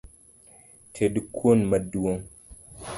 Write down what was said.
Ted kuon maduong’